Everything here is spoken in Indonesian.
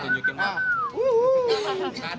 boleh pak ditunjukin pak